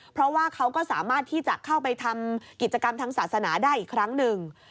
เพราะว่าเขาก็สามารถที่จะเข้าไปทำกิจกรรมทางศาสนาได้อีกครั้งหนึ่ง